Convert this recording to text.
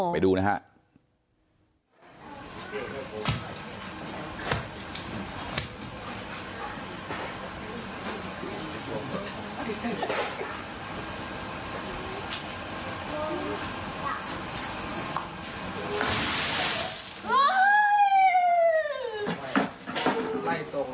นี่ครับ